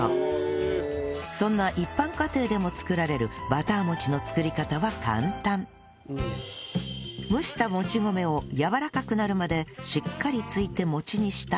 そんな一般家庭でも作られるバター餅の蒸したもち米をやわらかくなるまでしっかりついて餅にしたら